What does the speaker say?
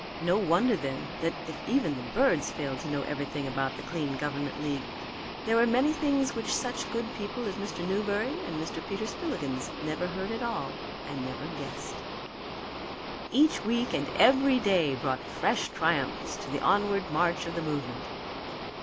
No wonder, then, that if even the birds failed to know everything about the Clean Government League, there were many things which such good people as Mr. Newberry and Mr. Peter Spillikins never heard at all and never guessed. Each week and every day brought fresh triumphs to the onward march of the movement.